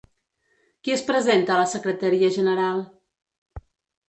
Qui es presenta a la secretaria general?